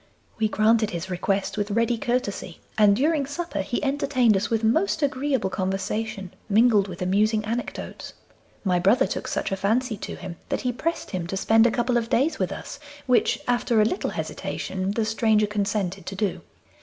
We granted his request with ready courtesy, and during supper he entertained us with most agreeable conversation, mingled with amusing anecdotes. My brother took such a fancy to him that he pressed him to spend a couple of days with us, which, after a little hesitation, the stranger consented to do.